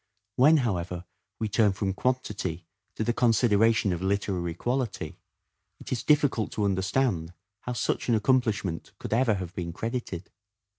When, however, we turn from quantity to the consideration of literary quality, it is difficult to understand how such an accomplishment could ever have been credited.